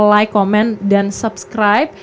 like komen dan subscribe